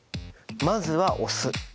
まずはお酢。